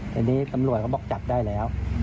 แต่นี้กำลัวเขาบอกจับได้แล้ว